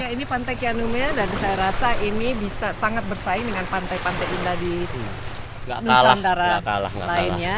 ini pantai kianume dan saya rasa ini bisa sangat bersaing dengan pantai pantai indah di nusantara lainnya